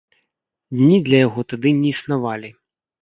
Дні для яго тады не існавалі.